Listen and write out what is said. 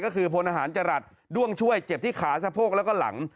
ก็คือพลอาหารจรัสด้วงช่วยเจ็บที่ขาสะโพกแล้วก็หลัง